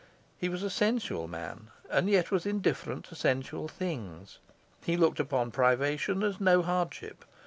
He was a sensual man, and yet was indifferent to sensual things. He looked upon privation as no hardship.